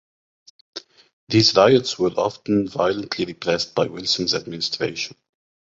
These riots were often violently repressed by Wilson's administration.